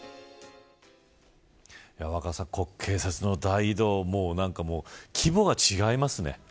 若狭さん、国慶節の大移動規模が違いますね。